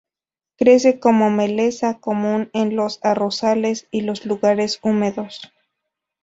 Crece como maleza común en los arrozales y los lugares húmedos.